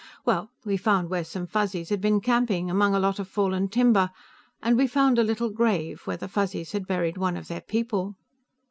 Well, we found where some Fuzzies had been camping, among a lot of fallen timber. And we found a little grave, where the Fuzzies had buried one of their people."